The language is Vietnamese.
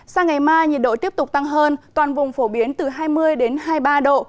sang ngày mai nhiệt độ tiếp tục tăng hơn toàn vùng phổ biến từ hai mươi đến hai mươi ba độ